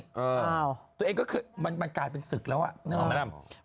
เออตัวเองก็คือมันกลายเป็นศึกแล้วอ่ะนึกออกไหมล่ะ